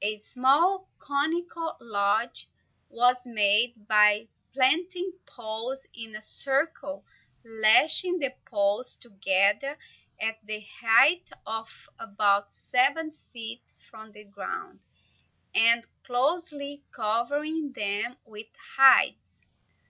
A small, conical lodge was made by planting poles in a circle, lashing the tops together at the height of about seven feet from the ground, and closely covering them with hides.